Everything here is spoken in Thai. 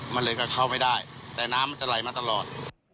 มันเลยก็เข้าไม่ได้แต่น้ำมันจะไหลมาตลอด